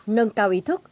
nâng cao ý thức